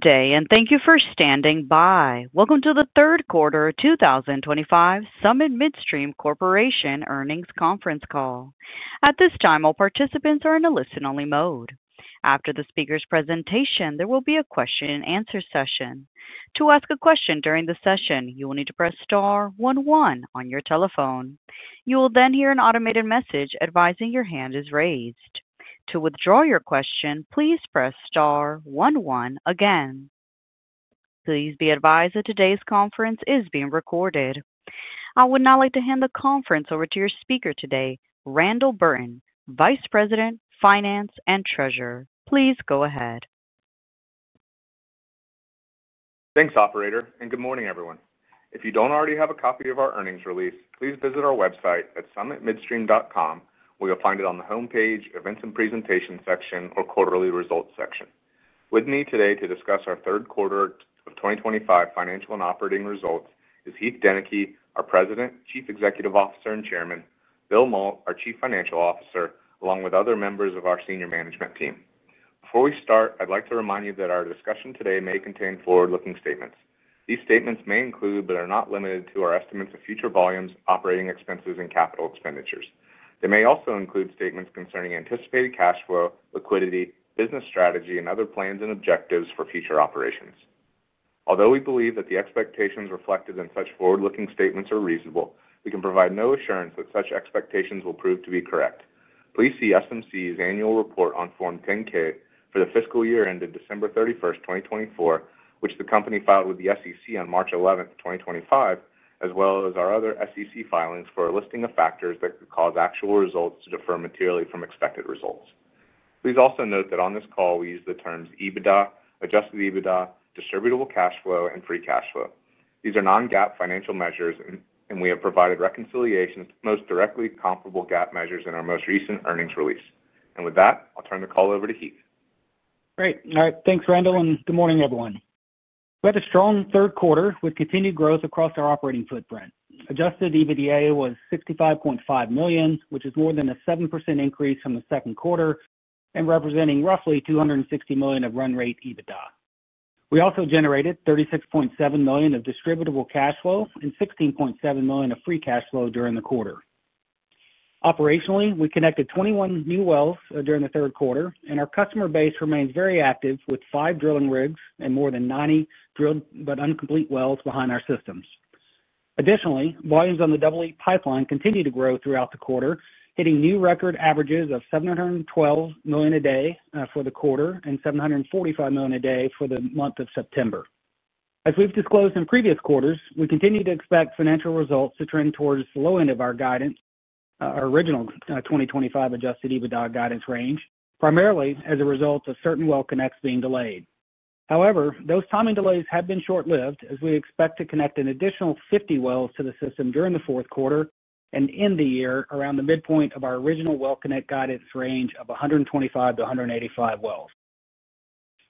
Good day, and thank you for standing by. Welcome to the Third Quarter of 2025 Summit Midstream Corporation Earnings Conference Call. At this time, all participants are in a listen-only mode. After the speaker's presentation, there will be a question-and-answer session. To ask a question during the session, you will need to press star 11 on your telephone. You will then hear an automated message advising your hand is raised. To withdraw your question, please press star 11 again. Please be advised that today's conference is being recorded. I would now like to hand the conference over to your speaker today, Randall Burton, Vice President, Finance and Treasurer. Please go ahead. Thanks, operator, and good morning, everyone. If you don't already have a copy of our earnings release, please visit our website at summitmidstream.com, where you'll find it on the homepage, events and presentation section, or quarterly results section. With me today to discuss our third quarter of 2025 financial and operating results is Heath Deneke, our President, Chief Executive Officer and Chairman, Bill Mault, our Chief Financial Officer, along with other members of our senior management team. Before we start, I'd like to remind you that our discussion today may contain forward-looking statements. These statements may include, but are not limited to, our estimates of future volumes, operating expenses, and capital expenditures. They may also include statements concerning anticipated cash flow, liquidity, business strategy, and other plans and objectives for future operations. Although we believe that the expectations reflected in such forward-looking statements are reasonable, we can provide no assurance that such expectations will prove to be correct. Please see SMC's annual report on Form 10-K for the fiscal year ended December 31, 2024, which the company filed with the SEC on March 11, 2025, as well as our other SEC filings for a listing of factors that could cause actual results to differ materially from expected results. Please also note that on this call, we use the terms EBITDA, adjusted EBITDA, distributable cash flow, and free cash flow. These are non-GAAP financial measures, and we have provided reconciliations to the most directly comparable GAAP measures in our most recent earnings release. With that, I'll turn the call over to Heath. Great. All right. Thanks, Randall, and good morning, everyone. We had a strong third quarter with continued growth across our operating footprint. Adjusted EBITDA was $65.5 million, which is more than a 7% increase from the second quarter and representing roughly $260 million of run rate EBITDA. We also generated $36.7 million of distributable cash flow and $16.7 million of free cash flow during the quarter. Operationally, we connected 21 new wells during the third quarter, and our customer base remains very active with five drilling rigs and more than 90 drilled but uncompleted wells behind our systems. Additionally, volumes on the Double E Pipeline continue to grow throughout the quarter, hitting new record averages of $712 million a day for the quarter and $745 million a day for the month of September. As we've disclosed in previous quarters, we continue to expect financial results to trend towards the low end of our guidance, our original 2025 adjusted EBITDA guidance range, primarily as a result of certain well connects being delayed. However, those timing delays have been short-lived, as we expect to connect an additional 50 wells to the system during the fourth quarter and end the year around the midpoint of our original well connect guidance range of 125-185 wells.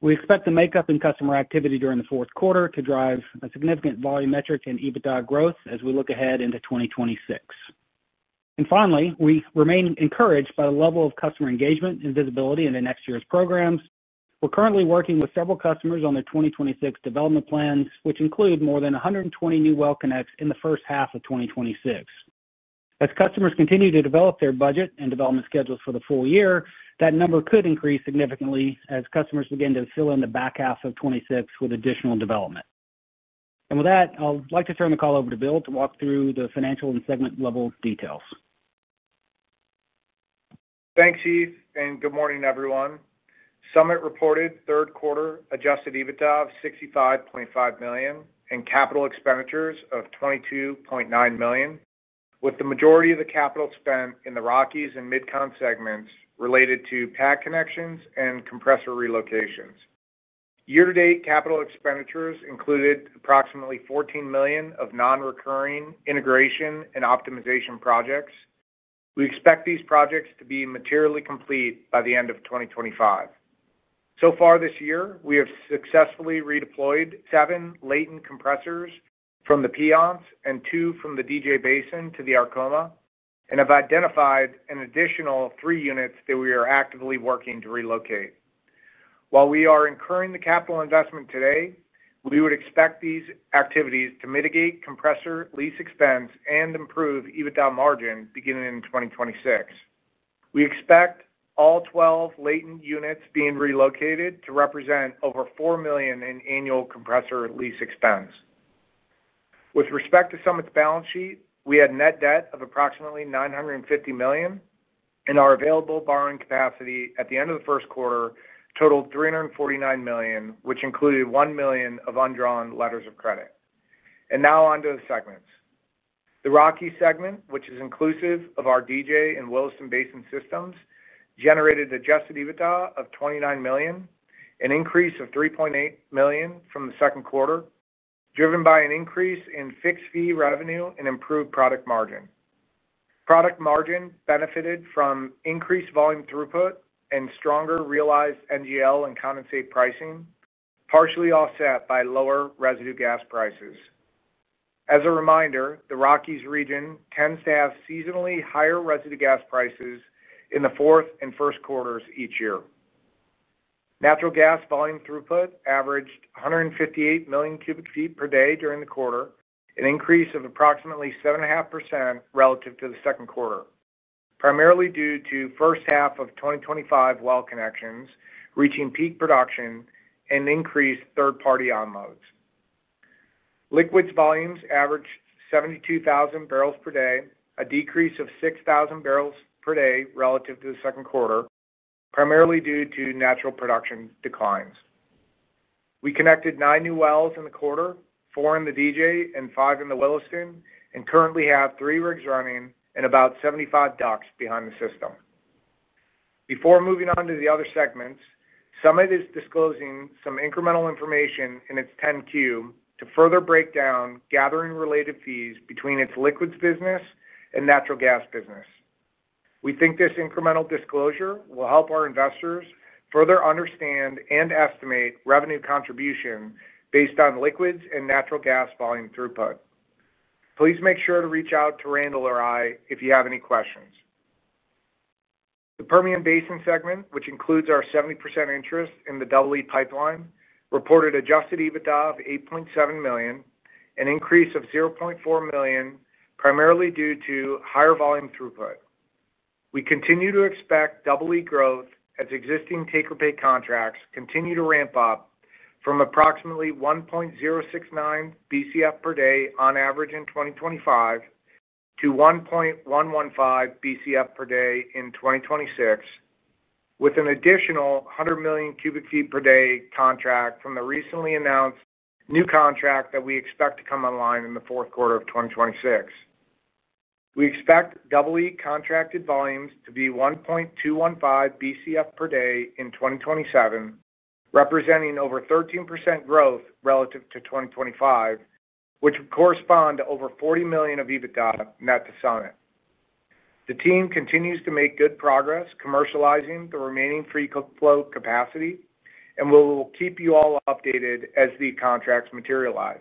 We expect the makeup in customer activity during the fourth quarter to drive a significant volume metric in EBITDA growth as we look ahead into 2026. Finally, we remain encouraged by the level of customer engagement and visibility into next year's programs. We're currently working with several customers on their 2026 development plans, which include more than 120 new well connects in the first half of 2026. As customers continue to develop their budget and development schedules for the full year, that number could increase significantly as customers begin to fill in the back half of 2026 with additional development. With that, I'd like to turn the call over to Bill to walk through the financial and segment-level details. Thanks, Heath, and good morning, everyone. Summit reported third quarter adjusted EBITDA of $65.5 million and capital expenditures of $22.9 million, with the majority of the capital spent in the Rockies and Midtown segments related to pad connections and compressor relocations. Year-to-date capital expenditures included approximately $14 million of non-recurring integration and optimization projects. We expect these projects to be materially complete by the end of 2025. So far this year, we have successfully redeployed seven latent compressors from the Piceance and two from the DJ (Denver-Julesburg Basin to the Arkoma, and have identified an additional three units that we are actively working to relocate. While we are incurring the capital investment today, we would expect these activities to mitigate compressor lease expense and improve EBITDA margin beginning in 2026. We expect all 12 latent units being relocated to represent over $4 million in annual compressor lease expense. With respect to Summit's balance sheet, we had net debt of approximately $950 million, and our available borrowing capacity at the end of the first quarter totaled $349 million, which included $1 million of undrawn letters of credit. Now on to the segments. The Rockies segment, which is inclusive of our DJ and Williston Basin systems, generated adjusted EBITDA of $29 million, an increase of $3.8 million from the second quarter, driven by an increase in fixed fee revenue and improved product margin. Product margin benefited from increased volume throughput and stronger realized NGL and condensate pricing, partially offset by lower residue gas prices. As a reminder, the Rockies region tends to have seasonally higher residue gas prices in the fourth and first quarters each year. Natural gas volume throughput averaged $158 million cubic feet per day during the quarter, an increase of approximately 7.5% relative to the second quarter, primarily due to first half of 2025 well connections reaching peak production and increased third-party onloads. Liquids volumes averaged 72,000 barrels per day, a decrease of 6,000 barrels per day relative to the second quarter, primarily due to natural production declines. We connected nine new wells in the quarter, four in the DJ and five in the Williston, and currently have three rigs running and about 75 docks behind the system. Before moving on to the other segments, Summit is disclosing some incremental information in its 10-Q to further break down gathering-related fees between its liquids business and natural gas business. We think this incremental disclosure will help our investors further understand and estimate revenue contribution based on liquids and natural gas volume throughput. Please make sure to reach out to Randall or I if you have any questions. The Permian Basin segment, which includes our 70% interest in the Double E Pipeline, reported adjusted EBITDA of $8.7 million, an increase of $0.4 million, primarily due to higher volume throughput. We continue to expect Double E growth as existing take-or-pay contracts continue to ramp up from approximately 1.069 BCF per day on average in 2025 to 1.115 BCF per day in 2026, with an additional 100 million cubic feet per day contract from the recently announced new contract that we expect to come online in the fourth quarter of 2026. We expect Double E contracted volumes to be 1.215 BCF per day in 2027, representing over 13% growth relative to 2025, which would correspond to over $40 million of EBITDA net to Summit. The team continues to make good progress commercializing the remaining free flow capacity, and we will keep you all updated as the contracts materialize.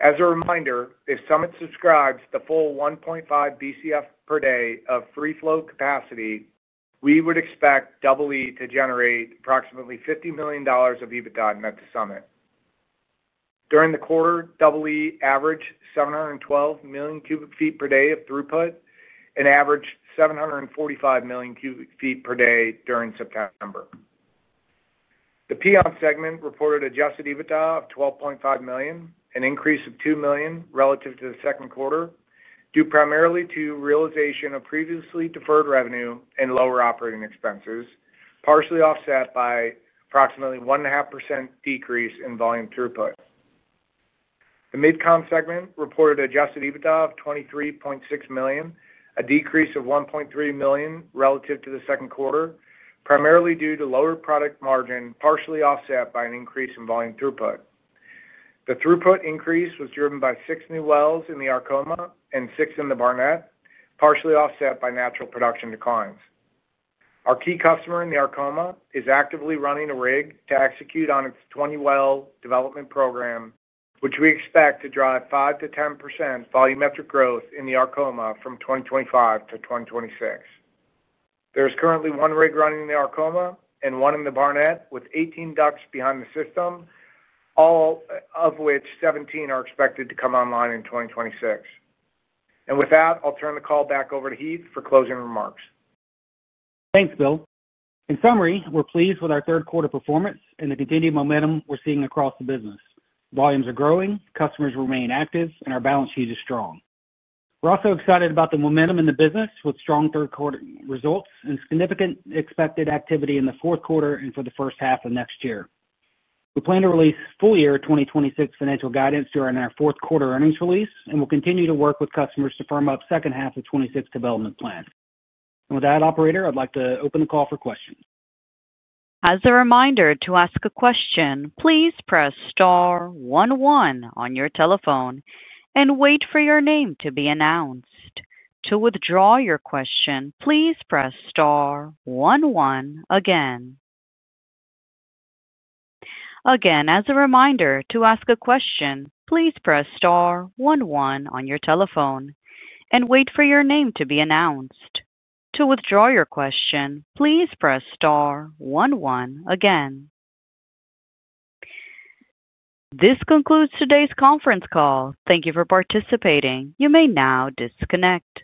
As a reminder, if Summit subscribes to the full 1.5 BCF per day of free flow capacity, we would expect Double E to generate approximately $50 million of EBITDA net to Summit. During the quarter, Double E averaged 712 million cubic feet per day of throughput and averaged 745 million cubic feet per day during September. The Piceance segment reported adjusted EBITDA of $12.5 million, an increase of $2 million relative to the second quarter, due primarily to realization of previously deferred revenue and lower operating expenses, partially offset by approximately 1.5% decrease in volume throughput. The Midtown segment reported adjusted EBITDA of $23.6 million, a decrease of $1.3 million relative to the second quarter, primarily due to lower product margin, partially offset by an increase in volume throughput. The throughput increase was driven by six new wells in the Arkoma and six in the Barnett, partially offset by natural production declines. Our key customer in the Arkoma is actively running a rig to execute on its 20-well development program, which we expect to drive 5-10% volumetric growth in the Arkoma from 2025 to 2026. There is currently one rig running in the Arkoma and one in the Barnett, with 18 docks behind the system, of which 17 are expected to come online in 2026. With that, I'll turn the call back over to Heath for closing remarks. Thanks, Bill. In summary, we're pleased with our third quarter performance and the continued momentum we're seeing across the business. Volumes are growing, customers remain active, and our balance sheet is strong. We're also excited about the momentum in the business with strong third-quarter results and significant expected activity in the fourth quarter and for the first half of next year. We plan to release full-year 2026 financial guidance during our fourth quarter earnings release, and we'll continue to work with customers to firm up the second half of 2026 development plan. With that, operator, I'd like to open the call for questions. As a reminder to ask a question, please press star 11 on your telephone and wait for your name to be announced. To withdraw your question, please press star 11 again. Again, as a reminder to ask a question, please press star 11 on your telephone and wait for your name to be announced. To withdraw your question, please press star 11 again. This concludes today's conference call. Thank you for participating. You may now disconnect.